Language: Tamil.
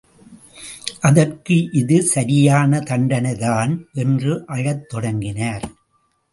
அதற்கு இது சரியான தண்டனைதான் என்று அழத் தொடங்கினார்.